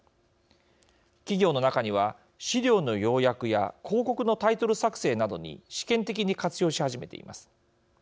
企業の中には、資料の要約や広告のタイトル作成などに試験的に活用し始めています。